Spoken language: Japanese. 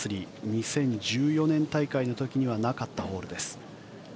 ２０１４年大会の時にはなかったホールです。